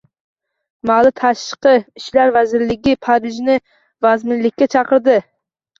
Mali tashqi ishlar vazirligi Parijni vazminlikka chaqirdi